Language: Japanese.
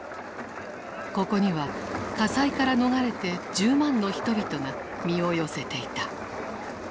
ここには火災から逃れて１０万の人々が身を寄せていた。